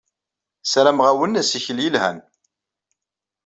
Ssarameɣ-awen assikel yelhan.